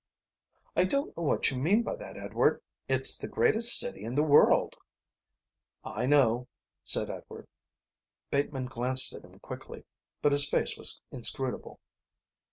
"I don't know what you mean by that, Edward. It's the greatest city in the world." "I know," said Edward. Bateman glanced at him quickly, but his face was inscrutable.